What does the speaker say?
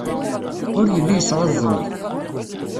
Ur yelli yesɛuẓẓug.